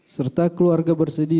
serta keluarga bersedih